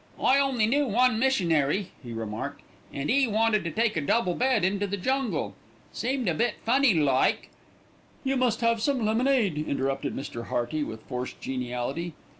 "I only knew one missionary," he remarked, "an' 'e wanted to take a double bed into the jungle. Seemed a bit funny like " "You must have some lemonade," interrupted Mr. Hearty with forced geniality.